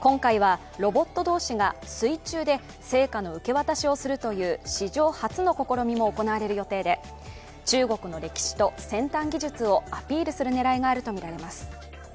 今回はロボット同士が水中で聖火の受け渡しをするという史上初の試みも行われる予定で、中国の歴史と先端技術をアピールする狙いがあるとみられます。